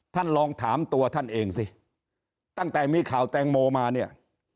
ท่านลองถามตัวท่านเองสิตั้งแต่มีข่าวแตงโมมาเนี่ย